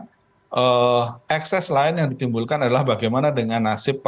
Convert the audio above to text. dan ekses lain yang ditimbulkan adalah bagaimana dengan nasib